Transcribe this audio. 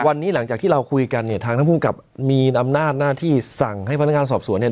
วันนี้หลังจากที่เราคุยกันเนี่ยทางท่านภูมิกับมีอำนาจหน้าที่สั่งให้พนักงานสอบสวนเนี่ย